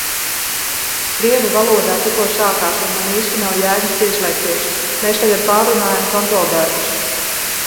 Krievu valodā tikko sākās un man īsti nav jēgas pieslēgties. Mēs tagad pārrunājam kontroldarbus.